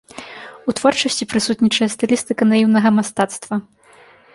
У творчасці прысутнічае стылістыка наіўнага мастацтва.